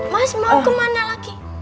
mas mau kemana lagi